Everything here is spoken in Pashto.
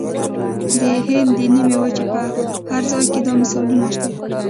د هند د نیمې وچې په هر ځای کې دا مثالونه شته.